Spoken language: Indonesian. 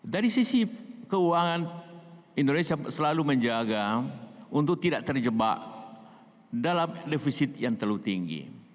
dari sisi keuangan indonesia selalu menjaga untuk tidak terjebak dalam defisit yang terlalu tinggi